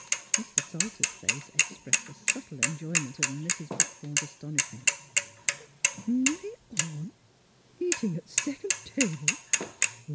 Mr. Salter's face expressed a subtle enjoyment of Mrs. Buckthorn's astonishment. " Milly Orne— eatin' at second table?